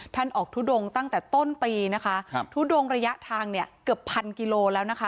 ท่านออกทุดงตั้งแต่ต้นปีนะคะครับทุดงระยะทางเนี่ยเกือบพันกิโลแล้วนะคะ